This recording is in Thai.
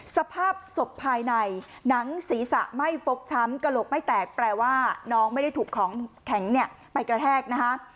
สภาพศพภายในหนังศีรษะไม่ฟกช้ำกระโหลกไม่แตกแปลว่าน้องไม่ได้ถูกของแข็งเนี่ยไปกระแทกนะคะ